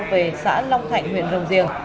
về xã long thạnh huyện rồng riềng